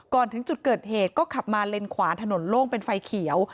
ถึงจุดเกิดเหตุก็ขับมาเลนขวาถนนโล่งเป็นไฟเขียว